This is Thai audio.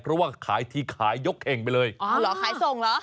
เพราะว่าขายทีขายยกเอ่งไปเลยอ๋อเหรอขายส่งเหรอ